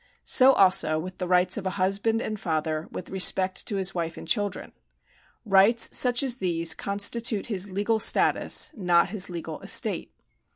So also with the rights of a husband and father with respect to his wife and children. Rights such as these constitute his legal status, not his legal estate.